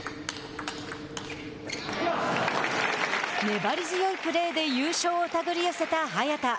粘り強いプレーで優勝を手繰り寄せた早田。